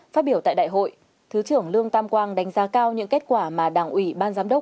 phát biểu tại đại hội thứ trưởng lương tam quang đánh giá cao những kết quả mà đảng ủy ban giám đốc